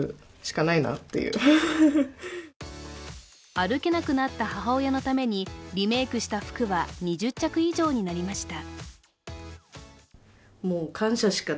歩けなくなった母親のためにリメークした服は２０着以上になりました。